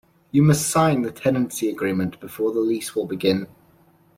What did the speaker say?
You must sign the tenancy agreement before the lease will begin.